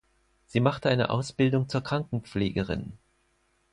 Sie machte eine Ausbildung zur Krankenpflegerin.